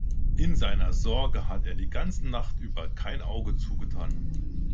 In seiner Sorge hat er die ganze Nacht über kein Auge zugetan.